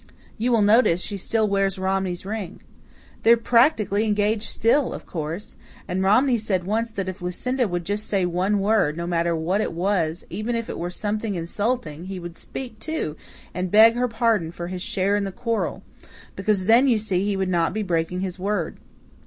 You will notice she still wears Romney's ring. They're practically engaged still, of course. And Romney said once that if Lucinda would just say one word, no matter what it was, even if it were something insulting, he would speak, too, and beg her pardon for his share in the quarrel because then, you see, he would not be breaking his word.